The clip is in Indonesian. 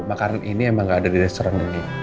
makanan ini emang gak ada di restoran ini